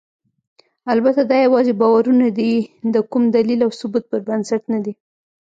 البته دا یواځې باورونه دي، د کوم دلیل او ثبوت پر بنسټ نه دي.